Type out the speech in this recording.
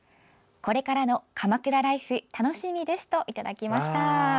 これからの鎌倉ライフ楽しみですといただきました。